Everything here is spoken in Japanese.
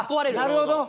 なるほど。